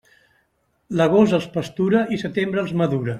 L'agost els pastura i setembre els madura.